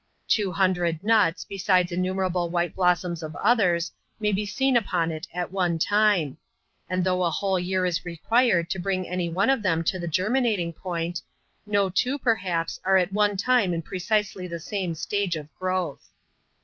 Two hundred nvtB> besides innumerable white blossoms of others, maj be seen upon it at one time; and though a whole year is required to bring any one of them to the germinating point, no twoy perhi^s,. are at one time in precisely the same stage of growth.